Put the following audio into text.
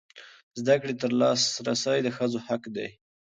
زده کړې ته لاسرسی د ښځو حق دی.